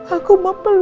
aku mau peluk dia